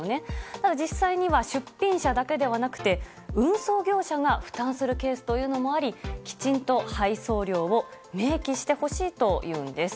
ただ実際には出品者だけではなくて運送業者が負担するケースもありきちんと配送料を明記してほしいというんです。